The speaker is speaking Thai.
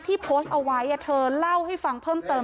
โพสต์เอาไว้เธอเล่าให้ฟังเพิ่มเติม